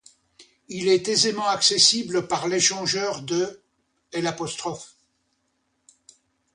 Il est aisément accessible par l'échangeur de l'.